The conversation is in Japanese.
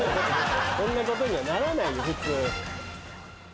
こんなことにはならないよ普通。